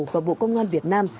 và bộ công an việt nam